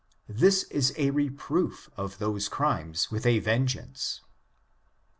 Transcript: This is a reproof of those crimes with a vengeance.